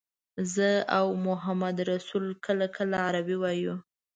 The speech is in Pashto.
زه او محمدرسول کله کله عربي وایو.